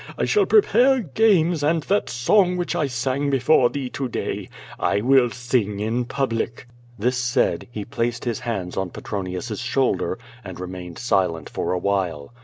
I shall prepare games and that song which I sang before thee to day. I will sing in public." This said, he placed his hands on Petronius's shoulder, and remained silent for a while.